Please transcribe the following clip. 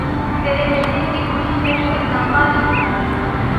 تیرے ملنے کی خوشی میں کوئی نغمہ چھیڑوں